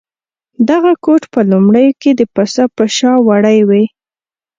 دغه کوټ په لومړیو کې د پسه په شا وړۍ وې.